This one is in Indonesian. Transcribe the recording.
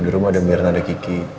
di rumah ada mirna ada kiki